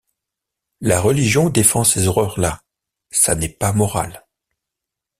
La religion défend ces horreurs-là, ça n’est pas moral.